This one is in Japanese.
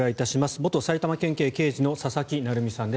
元埼玉県警刑事の佐々木成三さんです。